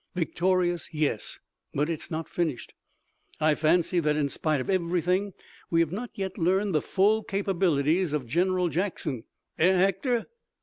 "Victorious, yes; but it is not finished. I fancy that in spite of everything we have not yet learned the full capabilities of General Jackson, eh, Hector?"